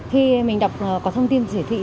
khi mình đọc có thông tin chỉ thị